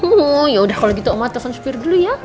hmm yaudah kalau gitu omah telepon supir dulu ya